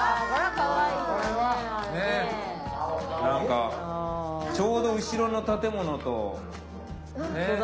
なんかちょうど後ろの建物とね。